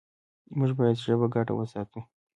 موږ باید ژبه ګډه وساتو.